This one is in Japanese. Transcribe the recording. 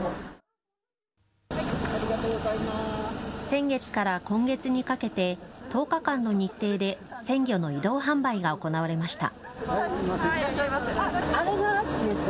先月から今月にかけて１０日間の日程で鮮魚の移動販売が行われました。